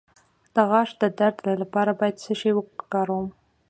د غاښ د درد لپاره باید څه شی وکاروم؟